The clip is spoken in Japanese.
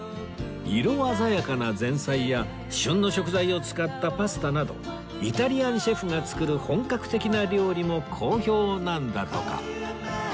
色鮮やかな前菜や旬の食材を使ったパスタなどイタリアンシェフが作る本格的な料理も好評なんだとか